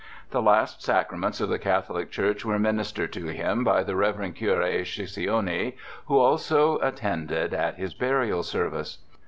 The last sacraments of the Catholic church were ministered to him by the Revd. Cure Chicoine, who also attended at his burial service.